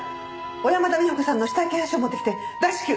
小山田美穂子さんの死体検案書を持ってきて！